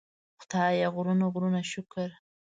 خدایه غرونه غرونه شکر.